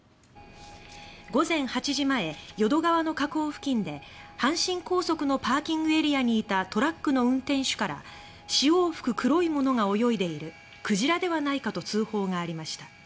午前８時前淀川の河口付近で阪神高速のＰＡにいたトラックの運転手から「潮を噴く黒い物が泳いでいるクジラではないか」と通報がありました。